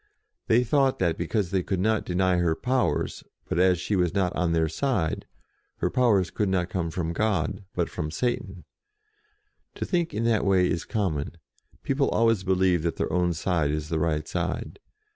They thought that, because they could not 32 JOAN OF ARC deny her powers; but, as she was not on their side, her powers could not come from God, but from Satan. To think in that way is common : people always believe that their own side is the right side.